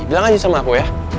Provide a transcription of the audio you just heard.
bilang aja sama aku ya